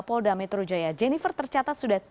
polda metro jaya jennifer tercatat sudah